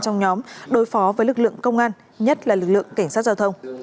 trong nhóm đối phó với lực lượng công an nhất là lực lượng cảnh sát giao thông